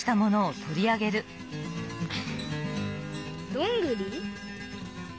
どんぐり？